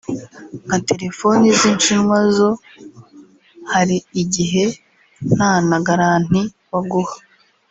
“Nka telefoni z’inshinwa zo hari igihe nta na garanti baguha